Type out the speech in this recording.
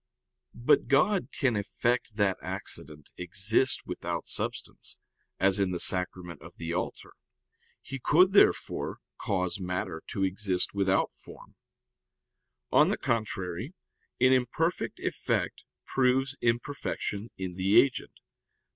But God can effect that accident exist without substance, as in the Sacrament of the Altar. He could, therefore, cause matter to exist without form. On the contrary, An imperfect effect proves imperfection in the agent.